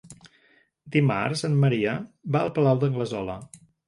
Dimarts en Maria va al Palau d'Anglesola.